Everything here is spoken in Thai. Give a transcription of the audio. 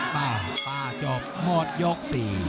ป้าป้าจบหมดยก๔